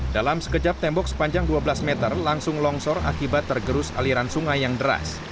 dalam sekejap tembok sepanjang dua belas meter langsung longsor akibat tergerus aliran sungai yang deras